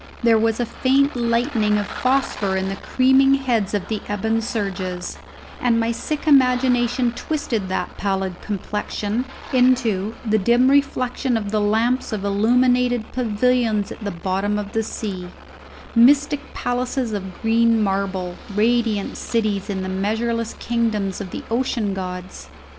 There was a faint lightning of phosphor in the creaming heads of the ebon surges, and my sick imagination twisted that pallid complexion into the dim reflection of the lamps of illuminated pavilions at the bottom of the sea; mystic palaces of green marble, radiant cities in the measureless kingdoms of the ocean gods.